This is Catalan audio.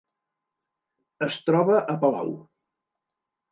Es troba a Palau.